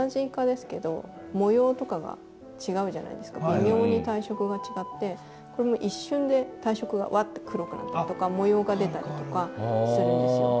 微妙に体色が違ってこれも一瞬で体色がワッて黒くなったりとか模様が出たりとかするんですよ。